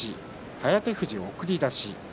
颯富士、送り出し。